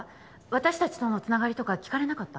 私達とのつながりとか聞かれなかった？